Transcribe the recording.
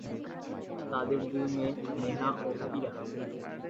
তাদের দুই মেয়ে, নেহা ও ইরা।